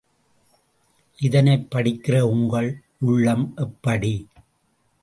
இதனைப் படிக்கிற உங்கள் உள்ளம் எப்படி?